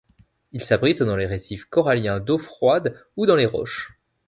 Il s'abrite dans les récifs coralliens d'eau froide ou dans les roches.